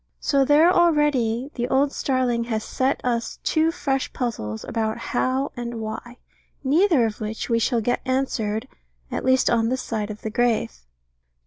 So there already the old starling has set us two fresh puzzles about How and Why, neither of which we shall get answered, at least on this side of the grave.